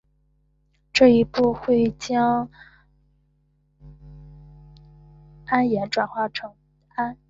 这一步会将铵盐转化成氨。